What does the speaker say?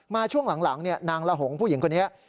ช่วงหลังนางละหงผู้หญิงคนนี้